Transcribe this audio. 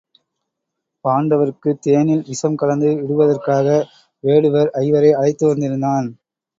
பாண்டவர்க்குத் தேனில் விஷம் கலந்து இடுவதற்காக வேடுவர் ஐவரை அழைத்து வந்திருந்தான்.